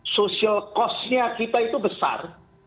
social cost nya kita itu besar